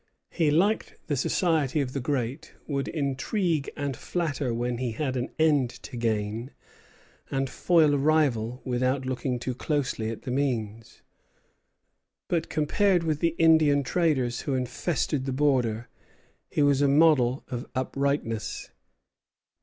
He liked the society of the great, would intrigue and flatter when he had an end to gain, and foil a rival without looking too closely at the means; but compared with the Indian traders who infested the border, he was a model of uprightness.